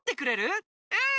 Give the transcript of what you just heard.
うん！